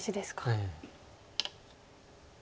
ええ。